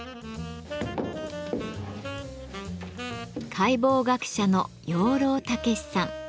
解剖学者の養老孟司さん。